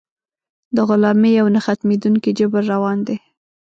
د غلامۍ یو نه ختمېدونکی جبر روان دی.